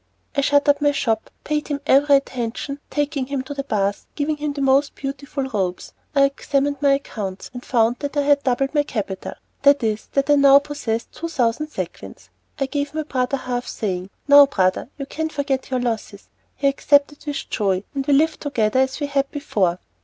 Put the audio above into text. I shut up my shop, paid him every attention, taking him to the bath, giving him my most beautiful robes. I examined my accounts, and found that I had doubled my capital that is, that I now possessed two thousand sequins. I gave my brother half, saying: "Now, brother, you can forget your losses." He accepted them with joy, and we lived together as we had before.